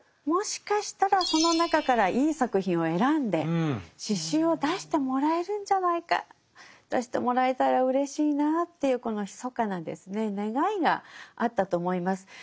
もしかしたらその中からいい作品を選んで詩集を出してもらえるんじゃないか出してもらえたらうれしいなぁっていうこのひそかなですね願いがあったと思います。